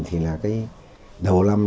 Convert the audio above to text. thì là cái đầu năm